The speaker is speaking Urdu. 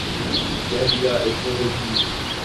کہہ دیا اس نے خود ہی